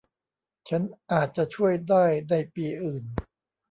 ฉันอาจจะช่วยได้ในปีอื่น